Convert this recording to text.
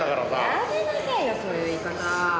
やめなさいよそういう言い方。